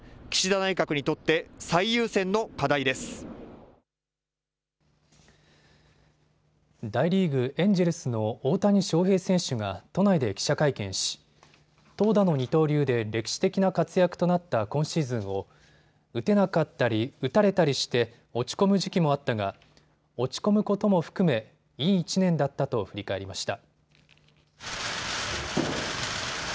大リーグ、エンジェルスの大谷翔平選手が都内で記者会見し、投打の二刀流で歴史的な活躍となった今シーズンを打てなかったり、打たれたりして落ち込む時期もあったが落ち込むことも含めいい１年だったと振り返りました。